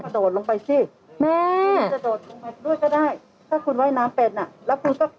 โดดลงไปสิแม่จะโดดลงไปด้วยก็ได้ถ้าคุณว่ายน้ำเป็นอ่ะแล้วคุณก็